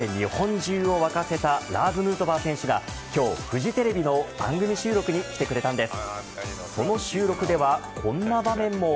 ＷＢＣでは侍ジャパンのメンバーとして日本中を沸かせたラーズ・ヌートバー選手が今日フジテレビの番組収録に来てくれたんです。